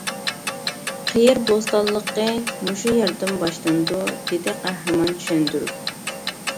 قېيىر بوستانلىقى مۇشۇ يەردىن باشلىنىدۇ، -دېدى قەھرىمان چۈشەندۈرۈپ.